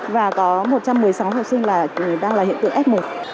và có một trăm một mươi sáu học sinh là đang là hiện tượng f một